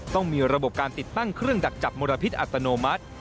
ต้องมีระบบการติดตั้งเครื่องดักจับมลพิษอัตโนมัติ